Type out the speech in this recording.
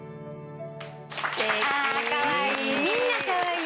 あかわいい。